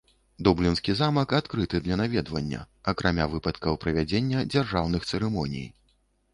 Дублінскі замак адкрыты для наведвання, акрамя выпадкаў правядзення дзяржаўных цырымоній.